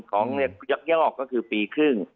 ของเลี้ยกยอกก็คือปีครึ่ง